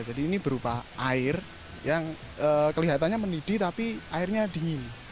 jadi ini berupa air yang kelihatannya mendidih tapi airnya dingin